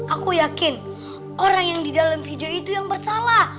aku yakin orang yang di dalam video itu yang bersalah